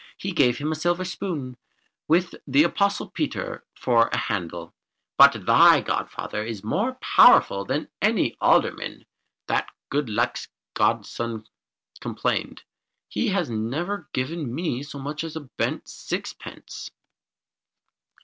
He gave him a silver spoon with the Apostle Peter for the handle; but thy godfather is more powerful than any alderman" that Good Luck's godson complained, "He has never given me so much as a bent sixpence."